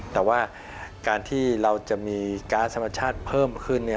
แต่ว่าการที่เราจะมีก๊าซธรรมชาติเพิ่มขึ้น